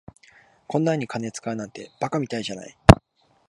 こんなんに金使うなんて馬鹿みたいじゃない。